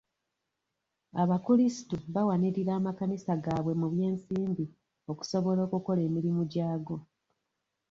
Abakulisitu bawanirira amakanisa gaabwe mu by'ensimbi okusobola okukola emirimu gy'ago.